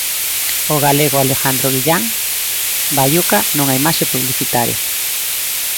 O galego Alejandro Guillán, Baiuca, nunha imaxe publicitaria.